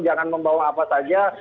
jangan membawa apa saja